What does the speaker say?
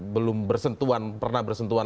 belum bersentuhan pernah bersentuhan